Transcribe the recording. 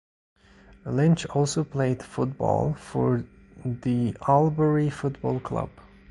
Lynch also played football for the Albury Football Club.